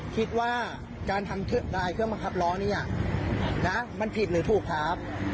คิดว่าการทำลายเครื่องบังคับล้อเนี่ยนะมันผิดหรือถูกครับ